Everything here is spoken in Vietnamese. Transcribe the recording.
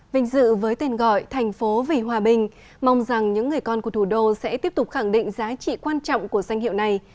vinh dự với tên gọi thành phố vì hòa bình mong rằng những người con của thủ đô sẽ tiếp tục khẳng định giá trị quan trọng của danh hiệu này